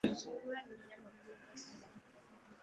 Sungura ni mnyama mjanja sana